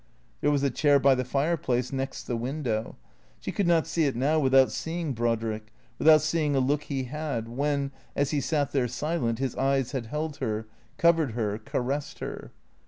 There was a chair by the fireplace, next the window. She could not see it now without seeing Brodrick, without seeing a look he had, when, as he sat there silent, his eyes had held her, covered her, caressed her.